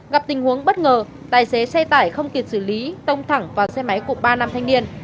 gặp tình huống bất ngờ tài xế xe tải không kịp xử lý tông thẳng vào xe máy của ba nam thanh niên